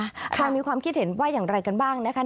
ใครมีความคิดเห็นว่าอย่างไรกันบ้างนะคะ